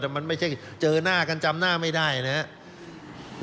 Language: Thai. แต่มันไม่ใช่เจอหน้ากันจำหน้าไม่ได้นะครับ